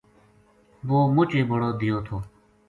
وہ مچ ہی بڑو دیو تھو